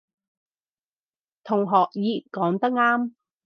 同學乙講得啱